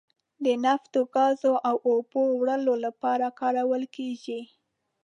د نفتو، ګازو او اوبو وړلو لپاره کارول کیږي.